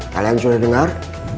kalian sudah dengar